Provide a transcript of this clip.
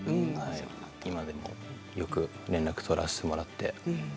今でもよく連絡を取らせてもらって。